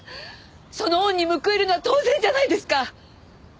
その恩に報いるのは当然じゃないですか！